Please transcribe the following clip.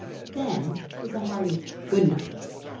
Then, with a hearty "Good night!"